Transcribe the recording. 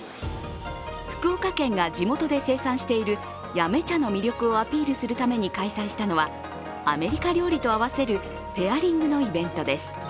福岡県が地元で生産している八女茶の魅力をアピールするために開催したのは、アメリカ料理と合わせるペアリングのイベントです。